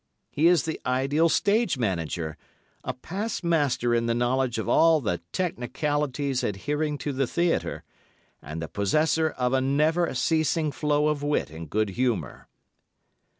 He is the ideal stage manager, a past master in the knowledge of all the technicalities adhering to the theatre, and the possessor of a never ceasing flow of wit and good humour.